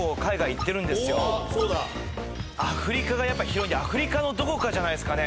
アフリカがやっぱ広いんでアフリカのどこかじゃないですかね